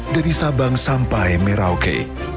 dari sabang sampai merauke